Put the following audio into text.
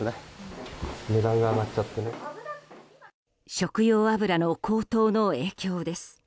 食用油の高騰の影響です。